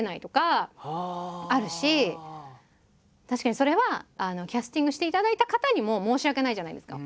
確かにそれはキャスティングしていただいた方にも申し訳ないじゃないですか。